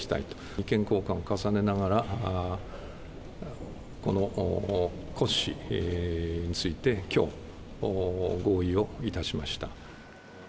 意見交換を重ねながら、この骨子について、きょう、合意をいたしました。